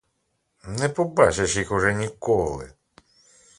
Не побачиш їх уже ніколи!